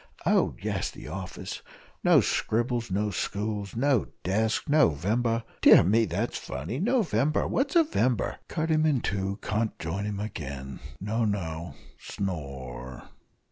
Oh, yes the office no scribbles no stools, no desks, No vember dear me, that's funny! No vember what's a vember? Cut him in two can't join him again no no snore!"